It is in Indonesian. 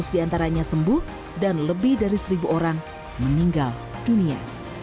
sembilan empat ratus di antaranya sembuh dan lebih dari satu orang meninggal dunia